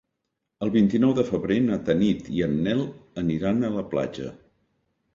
El vint-i-nou de febrer na Tanit i en Nel aniran a la platja.